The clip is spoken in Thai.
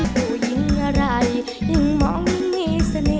ผู้หญิงอะไรยังมองมีเสน่ห์